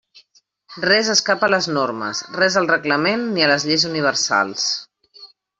Res escapa a les normes, res al reglament ni a les lleis universals.